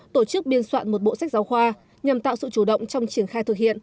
tổ chức biên soạn một bộ sách giáo khoa nhằm tạo sự chủ động trong triển khai thực hiện